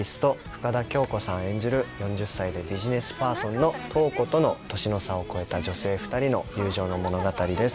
４０歳でビジネスパーソンの瞳子との年の差を超えた女性２人の友情の物語です